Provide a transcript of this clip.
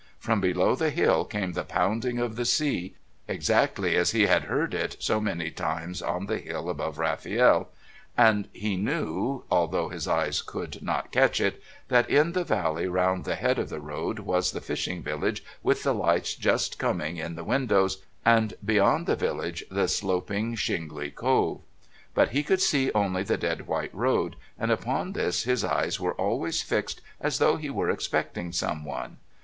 From below the hill came the pounding of the sea, exactly as he had heard it so many many times on the hill above Rafiel, and he knew, although his eyes could not catch it, that in the valley round the head of the road was the fishing village with the lights just coming in the windows, and beyond the village the sloping shingly Cove. But he could see only the dead white road, and upon this his eyes were always fixed as though he were expecting someone.